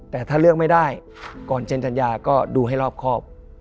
แต่ถ้าเลือกไม่ได้ก่อนเซ็นสัญญาก็ดูให้รอบครอบ